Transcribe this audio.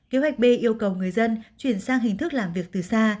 kế hoạch b yêu cầu người dân chuyển sang hình thức làm việc từ xa